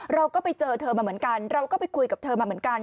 เราก็ไปเจอเธอมาเหมือนกันเราก็ไปคุยกับเธอมาเหมือนกัน